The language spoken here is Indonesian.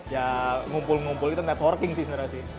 ya ngumpul ngumpul itu networking sih sebenarnya sih